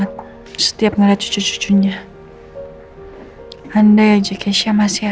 dulu pengen akan saya zebullis besok